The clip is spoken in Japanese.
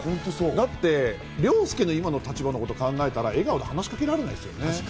だって凌介の今の立場のことを考えたら笑顔で話し掛けられないですよね。